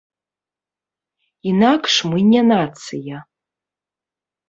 Інакш мы не нацыя.